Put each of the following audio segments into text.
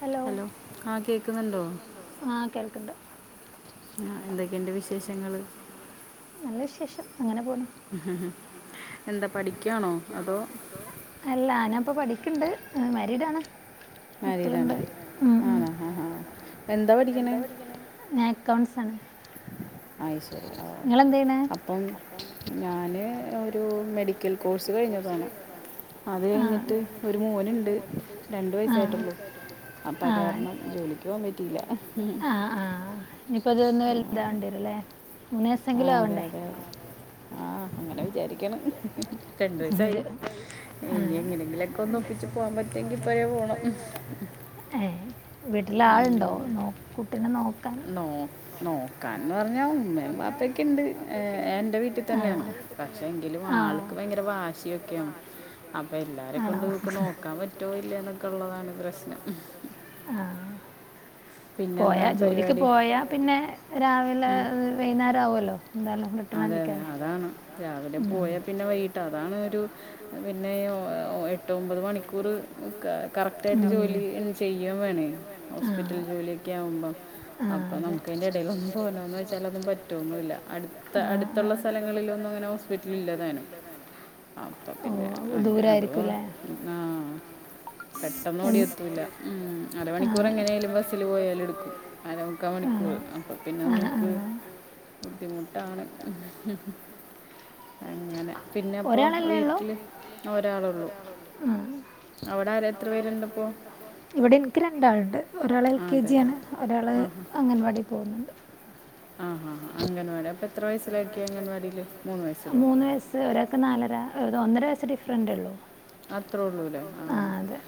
Hello ആഹ കേൾക്കണ്ട് ൊക്ക വിശേഷങ്ങള് നല്ല വിശേഷം അങ്ങനെ പോല്ല ഇപ്പൊ പഠിക്കണ്ട് മരീഡാണ് മക്കള എന്താ പഠിക്ക അക്കൗൺസ ആണ് ആയി ശരി ഓ അപ്പം ഞാന് ഒരു മെഡിക്കൽ കോഴ്സ് കഴിഞ്ഞതാണ് അത് കഴിഞ്ഞിട്ട് ഒരു മോന്ണ്ട് രണ്ട് പായിട്ടുള്ളൂ അപ്പൊ അത കാരണം ജോലിക്ക് പോകാൻ പറ്റിയില്ല ഇനിപ്പ അതൊന്നന്ന് വല്ലതാണ്ടരല്ലോ ആ അതെ അതെ അതെ ആഹ അങ്ങനെ വിചാരിക്ക രണ്ട വസായി ഇനി എങ്ങനെങ്കിലുംൊക്കെ ഒന്ന് ഒപ്പിച്ച് പോകാൻ പറ്റെങ്കിൽ പോയ ഏ വീട്ടില ആളുണ്ടോ നോ കുട്ടീെ നോക്ക ക പറഞ്ഞ ഇന്ന പാപ്പക്കുണ്ട് വീട്ടിൽ തന്നെയാണ് ആക്ക് ഭയങ്കര വാശിയൊക്കെയാണ് അപ്പൊ എല്ലാരെയ കൊ ഇ നോക്കാൻ പറ്റോല്ലൊക്കെ ഉള്ളതാണ് പ്രശ്നം പോയാ ജോലിക്ക് പോയാ പിന്നെ രാവിലെ വൈകുന്നേരം ആവുമല്ലോ അതെ അതെ അതാണ് രാവിലും പോയാൽ പിന്നെ വൈകിട്ട് അതാണ് ഒരു പിന്നെ എട്ട് ഒമ്പത് മണിക്കൂർ കറക്റ്റ്ായിട്ട് ജോലി ചെയ്യൻ വേണേ ഹോസ്പിറ്റൽ ജോലിയൊക്കെ ആവുമ്പം അപ്പോം നമുക്ക് ഇടൽൊന്നും പോകണോന്ന് വെച്ചാൽന്നും പറ്റോൊന്നുമില്ല അടുത്ത അടുത്ത സ്ലിൽൊന്നും അങ്ങനെ ഹോസ്പ ഇല്ലതാനും അപ്പം പിന്നെ അ അതോ ആ പെട്ടെന്ന് ഓടിയ എത്തൂല്ല ഉ അരമണിക്കൂർ എങ്ങനെ ആാലും ബസ്സിൽ പോയാലും എടുക്കും അരമക്കാ മണിക്കൂറ് അപ്പൊ പിന്നെ നമുക്ക് ബുദ്ധിമുട്ടാണ് അങ്ങനെ പിന്നെപ്പോൊ വീട്ടില് ഒരാളള്ളു അവിടെ ആര എത്ര പേരുണ്ടപ്പോൊ ഒരാൾ എൽ കെ ജിയ ആാണ് ഒരാൾ അംഗൻവാടി പോകുന്നുണ്ട് ആ അങ്ങന മൂന്ന് വയസ്സ് ഒരാൾക്കെ നാലര ഒന്നര വയസ് ഡഫ ഫ്രണ്ട്ള്ളോ ആ അതെ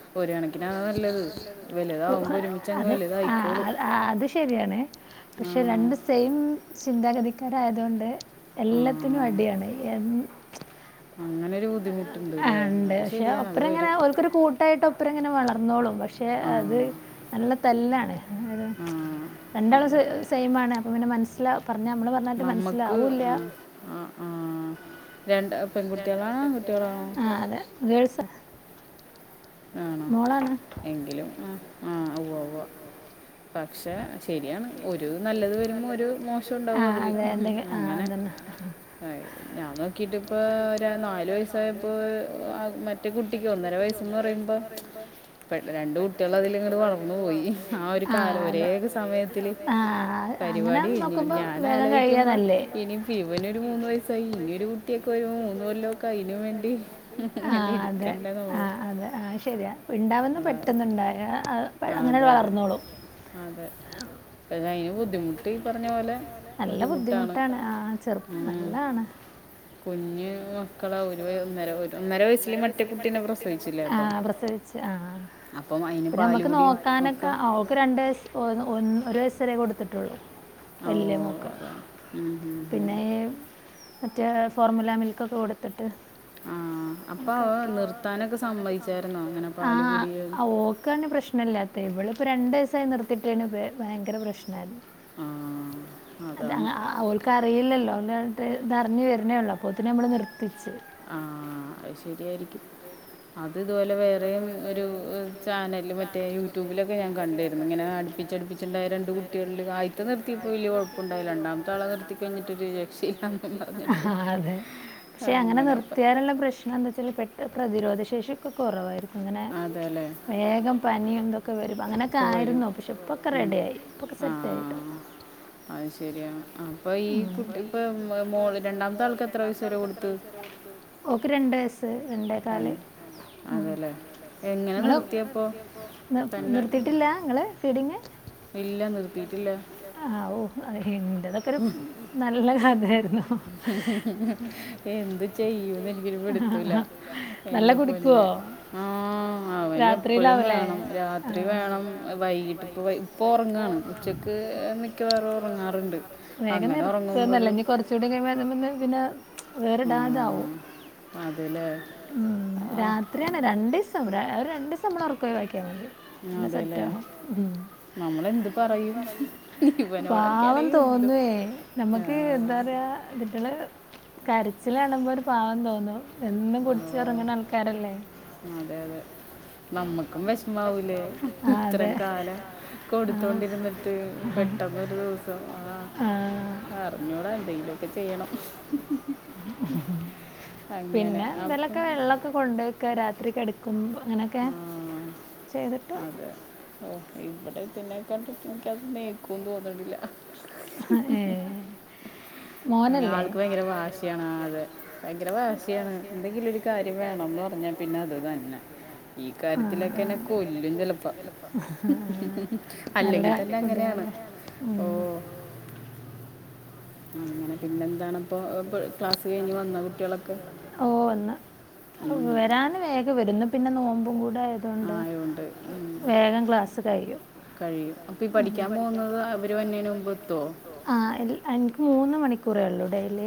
ഒരെണ്ക്കിന് അതാ നല്ലത് [unintelligible] ആ അത് ആ അത് ശരിയാണ് പഷേ രണ്ട് സെയിം ചിന്താഗധിക്കാരയതോണ്ട് എല്ലത്തിനും അടിയാണ് എൻ ണ്ട് പക്ഷെ ഒപ്പരങ്ങനെ ഒര്ക്കൊരു കൂട്ടായിട്ട്ങ്ങനെ ഒപ്പരങ്ങനെ വളർന്നോളും വ ക്ഷെ അത് നല്ല തല്ലാണ് അതെ രണ്ടാള് സ് സെയിമാണ് അപ്പൊ പിന്നെ മനസ്സിലാ പറഞാ നമ്മള് പറഞ്ഞാലട്ടോ മനസ്സിലാവൂല്യാ രണ്ട് എരട്ടകുട്ടിയാളാ ആഹ് അതെ ഗേൾസാ ആണോ എങ്കിലും ആ ആഹ് ഉവ്വഉവ്വ പക്ഷെ ശരിയാണ് ഒരു നല്ലത് വരുമ്പോ ഒരു മോശം ഉണ്ടാവും അതില് അങ്ങനെ ആ ഞാൻ നോക്കീട്ടപ്പാ ര നാല് വയസ്സായപ്പോൾ മറ്റേ കുട്ടിക്ക് ഒന്നര വയസ് ന്ന് പറയുമ്പോ പേ രണ്ട്‌ കുട്ടികൾ അതിലിങ്ങനെ വളർന്നു പോയി ആ ഒരു കാല ഏത് സമയത്തില് പരിവാടി കയിഞ്ഞ് ഞാൻ അലോയിക്കുമ്പോ ഇനി ഇപ്പോ ഇവൻ മൂന്നു വയസ്സായി ഇനി ഒരു കുട്ടി ഒക്കെ വരുപ്പോൾ മൂന്നുകൊല്ലം അയന് വേണ്ടി ഹ് ഹു ഇങ്ങനെ ഇരിക്കണ്ട ഓർ [inaudible] ആഹ് ശരിയാ ഇണ്ടാവെന്ന് പെട്ടെന്ന്ണ്ടായ അങ്ങനെ വളർന്നോളു [unintelligible] ക്ഷെ അയിന് ബുദ്ധിമുട്ട് ഇപ്പറഞ്ഞ പോലെ ബുദ്ധിമുട്ടാണ് ഉം. കുഞ്ഞ് മക്കളാ ഒരു ഒന്നര ഒന്നര വയസ്സില് മറ്റേ കുട്ടീനെ പ്രസവിച്ചില്ലേ അപ്പം. ആഹ. അപ്പോ അയിനും നമുക്ക് നോക്കാനൊക്കെ ഓള്ക്ക് രണ്ട്യസ് ഒ ഒരു വയസ് വേറെ കൊടുത്തിട്ടുള്ളൂ. വലിയ മോൾക്ക് പിന്നെ മറ്റ ഫോർമുല മിൽക്കൊക്കെ കൊടുത്തിട്ട് ആഹ് അപ്പം അപ്പൊ അവൾ നിർത്താൻ ഒക്കെ സമ്മതിച്ചായിരുന്നോ? ആഹ് ഓൾക്കണ് പ്രശ്നല്ലാത്ത ഇവളിപ്പോ രണ്ട് വയ സ് നിർത്തിയിട്ടോണ് ഭ ഭയങ്കര പ്രശ്നം ആയിരുന്നു. അത ഓൾക്ക് അറിയില്ലല്ലോ. [unintelligible] ഇത് അറിഞ്ഞ് വരുന്നേള്ളൂ അപ്പോത്തിന് നമ്മൾ നിർത്തി. ആഹ ശരിയായിരിക്കും അ അത് ഇതുപോലെ വേറെയും ഒരു ചാനലിലെ മറ്റേ യൂട്യൂബിലൊക്കെ ഞാൻ കണ്ടായിരുന്നു ഇങ്ങനെ അടുപ്പിച്ചടുപ്പി [unintelligible] രണ്ട് കുട്ടികളില് ആദ്യത്തെ നിർത്തിയപ്പോ വല്യ കുഴപ്പണ്ടായില്ല രണ്ടാമത്താളെ നിർത്തികഴിഞ്ഞിട്ട് ഒരു രക്ഷയില്ല ആഹ് അതെ പ അങ്ങനെ നിർത്തിയാനുള്ള പ്രശ്നം എന്താ വെച്ചാൽ പെട്ട പ്രതിരോധ ശേഷിയൊക്കെ കുറവായിരിക്കും ഇങ്ങനെ വേഗം പനിയും ഇതൊക്കെ വരും അങ്ങനെയൊക്കെ ആയിരുന്നു പക്ഷെ ഇപ്പൊക്കെ റെഡിയായി ഇപ്പൊക്കെ സെറ്റായിട്ടോ. [unintelligible] ശരിയാ അപ്പൊ ഈ കുട്ടി ഇപ്പോ മോള് രണ്ടാമത്തെ ആൾക്ക് എത്ര വയസ്സ് വരെ കൊടുത്ത ഓൾക്ക് രണ്ട് വയസ്സ് രണ്ടേക്കാൽ മം. നിങ്ങള് നിർത്തിട്ടില്ല നിങ്ങള് ഫീഡിങ്ങ് ആവോ അ [unintelligible] ഇന്റെതൊക്കെരു നല്ല കഥായിരുന്നു ഒരു പിടിത്തവും ഇല്ല എന്റെ പൊന്ന് ആ അവന എപ്പഴും വേണം രാ രാത്രി വേണം വൈകിട്ട് ഇപ്പ ഇപ്പൊ ഒറങ്ങാണ് ഉച്ചക്ക് മിക്കവാറും ഒറങ്ങാറുണ്ട് വേഗം നിർത്ത നല്ലത് ഇഞ് കുറച്ചൂടികഴിഞ്ഞാ പിന്നെ വേറിടാതാവും ഉം രാത്രിയാണ് രണ്ട് ദിവസം രണ്ട് ദിവസം നമ്മള് ഉറക്കൊയി [unintelligible] പിന്നെ സെറ്റ് ആകും. വാവ തോന്നുവേ നമ്മുക്ക് എന്താ പറയാ [unintelligible] കരച്ചിലാണുമ്പോ ഒരു പാവം തോന്നും എന്നും കുടിച് ഒറങ്ങണെ ആൾക്കാരല്ലേ അതെ അതെ നമ്മക്കും വിഷമാവൂലേ ഇത്രം കാലം കൊടുത്തോണ്ടിരുന്നിട്ട് പെ ട്ടെന്ന് ഒരു ദിവസം ആ ആഹ് അറിഞ്ഞൂടാ എന്തെങ്കിലുമൊക്കെ ചെയ്യണം പിന്നെ എന്തെലൊക്കെ വെള്ളൊക്കെ കൊണ്ടോയെയ്ക്കാ രാത് ത്ത്രി കെടക്കും അങ്ങനെയൊക്കെ അതെ ഓ ഇവിടെ പിന്നെ കണ്ട് എനിക്കത് ന്നേക്കുംന്ന് തോന്ന്ണില്ല അ ആൾക്ക് ഭയങ്കര വാശിയാണ് ആ അതെ. ഭയങ്കര വാശിയാണ്. എന്തെങ്കിലും ഒരു കാര്യം വേണം ന്ന് പറഞ്ഞ പിന്നെ അത് തന്നെ ഈ കാര്യത്തിലൊക്കെന്നെ കൊല്ലും ചിലപ്പ ഉം അല്ലെങ്കി തന്നെ അങ്ങനെയാണ് ഓ അങ്ങനെ പിന്നെ എന്താണപ്പൊ ഓ ക്ലാസ് കഴിഞ്ഞ് വന്നോ കുട്ട്യോളൊക്കെ. വരാന് വേഗംവരുംന്ന് പിന്നെന്ന് നോമ്പും കൂ യതോണ്ട് വേഗം ക്ലാസ് കഴിയും. [unintelligible] പഠിക്കാൻ പോവുന്നത് അവര് വര്ണേന് മുമ്പെത്തോ. ആ ഇൽ അൻ മൂന്ന് മണിക്കൂറേ ഉള്ളൂ ഡെയ്ലി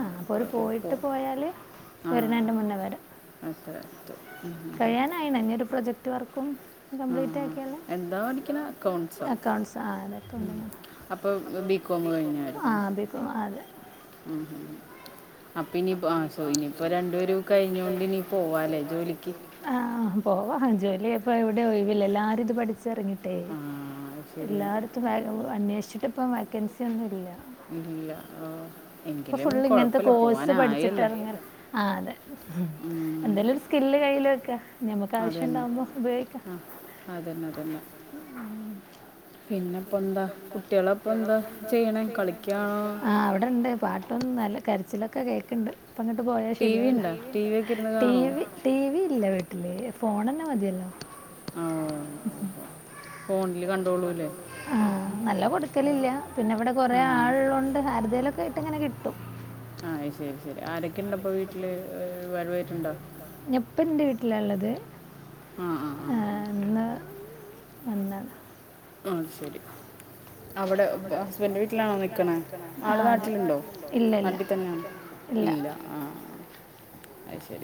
ആ അപ്പൊ ഓര് പോയിട്ട് പോയാല് വര്ണേന്റെ മുന്നേ വരാ കഴിയാനായിണ് ഇഞ്ഞൊരു പ്രൊജക് റ്റ് വർക്കും കംപ്ലീറ്റ് ആക്കിയല്ലേ അക്കൗണ്ട്സാ ആ അക്കൗണ്ടിങ്ങ് ആ ബി ഇപ്പം അതെ ഉംഉം അപ്പൊ ഇനി പ്പ. ഇനിപ്പൊ രണ്ടുപേരും കഴിഞ്ഞൊണ്ട് ഇനി പോവാലേ ജോലിക്ക്. ആ ആ ഹു പോവാ ഹ ജോലി ആയപ്പോ എവിടെയുംഒഴിവില്ലലൊഎല്ലാരും ഇത് പഠിച്ചിറങ്ങി ട്ടേ എല്ലായിടത്തും വആ അന്വേഷിച്ചിട്ടിപ്പം വേക്കൻസി ഒന്നുംല്ല ഇപ്പൊ ഫുള്ളിങ്ങനത്തെ കോഴ്സ് പഠിച്ചിട്ട് എറങ്ങ ആ അതെ എന്തേലും ഒരു സ്കില്ല് കയ്യില് വെ അതന്നെ അഹ് അതന്നെ അതന്നെ പിന്നപ്പന്താ കുട്ടികളക്കെന്താ ചെയ്യണെ കളിക്കാ ആ അവിടെണ്ട് പാട്ട് ഇതൊന്നല്ല കരച്ചിലൊക്കെ കേക്ക്ണ്ട് ങ്ങിട്ട് പോയാ ശരിയാവില്ല. ടി വി ടിവി ഇല്ല വീ [unintelligible] ഫോണെന്നെ മതിയല്ലോ അഓ [unintelligible] ഫോണില് ക ടി വി കണ്ടോളൂല്ലേ. ആ നല്ല കൊടുക്കലില്ല. പിന്നെ ഇവിടെ കൊറേ ആളുള്ളോണ്ട് ആര്തേലൊക്കെ ആ ട്ട്ങ്ങനെ കിട്ടും ആഹ് അഹ്ശരി ശരി. ആരൊക്കെ ഇണ്ടപ്പൊ വീട്ടില് ഏ ഒരുപാടു പേരുണ്ടോ ഞപ്പന്റെ വീട്ടിലാള്ളത്. ആ എന്ന് വന്നാണ് ആ ശരി അവിടെ ഹസ്ബൻറ് വീട്ടിലാണോ നിക്ക്ണെ ആള്നാട്ടിലുണ്ടോ ഇല്ല ഇല്ല ഇല്ല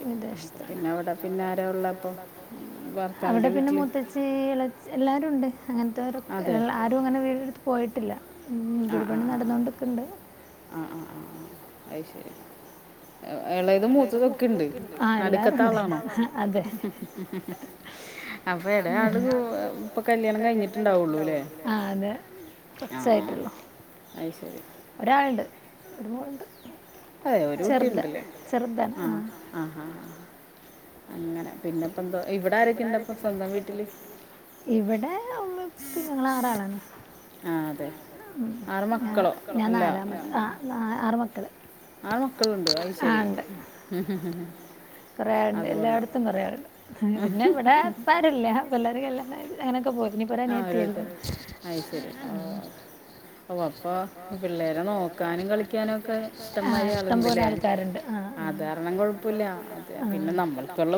വിദേശത്താണ്. പിന്നെ അവിടെ ആരാ ഉള്ളെ അപ്പം. അവിടെ പിന്നെ മുത്തച്ചി ഏ എളച് എല്ലാരുണ്ട് അങ്ങനത്തോര്. ആരും അങ്ങനെ വീട് ഇട്ത്ത് പോയിട്ടില്ല മ് വിട് പണി നടന്നോണ്ട്ക്ക്ണ്ട് ആ ആ ആ അയ്ശരി എളേതും മൂത്തതും ഒക്കെ ണ്ട്. ആ എല്ലാരുംണ്ട്. അ അതെ അപ്പ എളേ ആള് ഇപ്പൊ കല്യാണം കഴിഞ്ഞിട്ടണ്ടാവൊള്ളൂല്ലേ. ആഹ് അതെ. കൊർച് തയ്ട്ടുള്ളൂ. ഒരാള്ണ്ട്. ഒരു മോള്ണ്ട് അതെ ഒരു കുട്ടി ഉണ്ട് ലേ. ആഹ് ആഹ് അങ്ങനെ പിന്നെപ്പ ഇവിടെ മ്മീം പ്പി ഞങ്ങള് ആറാളാണ് ആ അതെ ആറ് മക്കളോ അല്ല ആ മക്കളുണ്ട് അയ് ശരി അതുകൊള്ള പിന്നെ ഇവിടെ പ്പാരൂല്ല പിള്ളേർ കല്യാണം അങ്ങനൊക്കെ പോയി ആഹ ഓരോരുത്തര അയ് ശരി ഓ ഓ അപ്പൊ പിള്ളേരെ നോക്കാനും കളിക്കാന ഒക്കെ ഇഷ്ടമാതിരി ആളുണ്ടല്ലേ അദാരണം കൊഴപ്പമില്ല അതു പിന്നെ നമ്മൾക്കുള്ള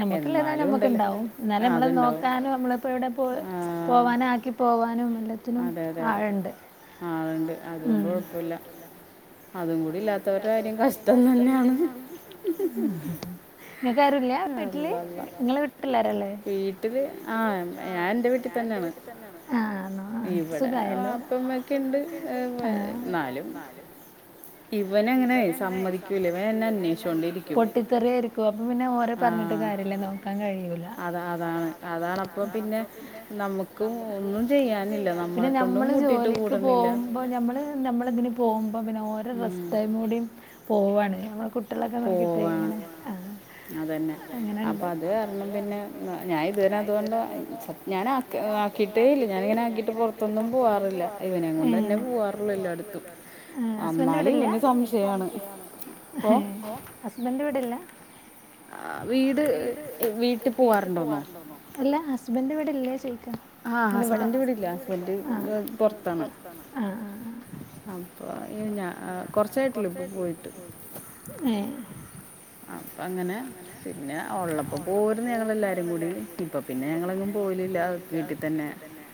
നമ്മുക്കുള്ള എതാലും നമ്മുക്കണ്ടാവും നമ്മള് നോക്കാനും നമ്മളിപ്പോ ഇവിടെ പോ പോവാനും ആക്കി പോവാനും ത്തിനും ആൾണ്ട് ഉം അതും കൂടി ഇല്ലാത്തോലെ കാര്യം കഷ്ടം തന്നെയാണ് ല്ല വീട്ടില് നിങ്ങളെ വീട്ടിലാര ഉള്ളെ വീട്ടിൽ ആ ഞാൻ എന്റെ വീട്ടിൽ തന്നെ ആണ് ആ സുഗായല്ലോ ആ അത്തമ്മ ഒക്കെ ഉണ്ട് ന്നാലും ഇവ ഇവന് അങ്ങനെ സമ്മതിക്കൂല പൊട്ടിത്തെറിയയിരിക്കും അപ്പൊ പിന്നെ ഓരെ പറഞ്ഞിട്ട് കാര്യല്ല നോക്കാൻ കഴിയൂല അത അതാണ് അതാണ്പ്പ പിന്നെ നമുക്ക് ഒന്നും ചെയ്യൻ ജോലക്ക് പോകുമ്പോൾ നമ്മള് നമ്മളതിന് പോകുമ്പോ പിന്നെ ഓരോ റെസ്റ്റ് ടൈമും കൂടിം പോവാണ് കുട്ടിളൊക്കെ നോക്കിട്ടേ ഇങ്ങനെ ആ അതന്നെ അങ്ങനണ്ട് അപ്പ അത് കാരണം പിന്നെ ഞാൻ ഇതുന്നെ അതുകൊണ്ട് ഞാൻ ആക്കിട്ട അതല്ല ഞാനിങ്ങനെ ആക്കിട്ട് പുറത്തൊന്നും പോവാറില്ല അന്നെ പോവാറിള്ളു എല്ലാടത്തും ഹസ്ബൻഡ് ഇവിടെ ഇല്ല ഹസ്ബന്ഡ ഇവിടെ ഇല്ല [inaudible] വീട്ടിൽ പോവാറുണ്ടോ ന്നോ അല്ല ഹസ്ബൻഡ് ഇവിടെ ഇല്ലെ ചോയ്ക്ക [inaudible] ആം അപ്പോ ഞ കുറച്ചായിട്ടുള്ളൂ ഇപ്പൊ പോയിട്ട് അപ്പ അങ്ങനെ പിന്നെ ഉള്ളപ്പോ പോരുന്നു ഞങ്ങെല്ലാരും കൂടി ഇപ്പൊ പിന്നെ ഞങ്ങളെങ്ങും പോയി ന്നും പോലില്ല വീട്ടിൽ തന്നെ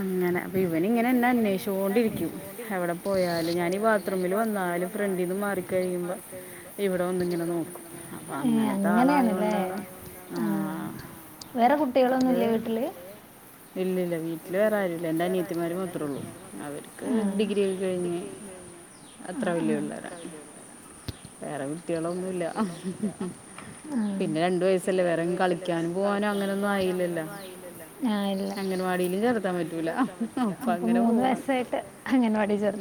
അങ്ങനെ അപ്പൊ ഇവന് ഇങ്ങനെ എന്നാ അന്വേഷിച്ചോണ്ടിരിക്കും വിടെ പോയാലും ഞൻ ഈ ബാത്റൂമിൽ വന്നാലും ഫ്രണ്ടിൽ മാറി കഴിയുമ്പോ ഇവിടെ ഏ അങ്ങനെയാണല്ലേ ആഹ വേറെ കുട്ടികളൊന്നുല്ലെ വീട്ടില് ഇല്ലല്ല വീട്ടില് വേറെ ആരൂല്ല എന്റെ അനിയത്തിമാര് മാത്രേ ഉള്ളൂ അവര് ഡിഗ്രി കഴിഞ്ഞ് അത്ര വലിയ പിള്ളെരാ വേറെ കുട്ടികളൊന്നുല്ല പിന്നെ രണ്ട് വയസല്ലേ വേറെങ്കും കളിക്കാൻ പോ ഓന് അങ്ങനൊന്നും ആയില്ലല്ലോ അംഗനവാടിയിൽ ചേർ ത്താൻ പറ്റൂല അപ്പം അങ്ങനെ പോണ്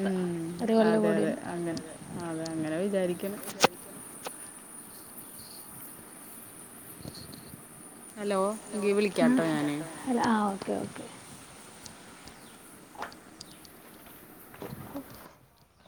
ഉം അതെ അതെ അങ്ങനെ അതെ അങ്ങനെ വിചാരിക്കണം [inaudible] ആ ആ ഓക്കെ ഓക്കെ [inaudible]